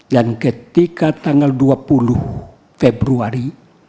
dan ketika tanggal dua puluh februari